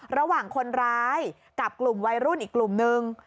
ระหว่างคนร้ายกับกลุ่มวัยรุ่นอีกกลุ่มนึง